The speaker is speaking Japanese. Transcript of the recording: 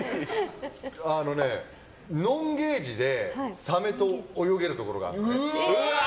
ノンゲージでサメと泳げるところがあって。